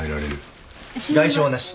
外傷はなし。